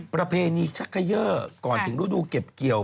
ประเพณีชักเกยอร์ก่อนถึงฤดูเก็บเกี่ยว